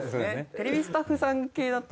テレビスタッフさん系だと。